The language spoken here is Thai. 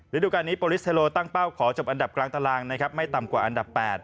ฤดูการนี้โปรลิสเทโลตั้งเป้าขอจบอันดับกลางตารางนะครับไม่ต่ำกว่าอันดับ๘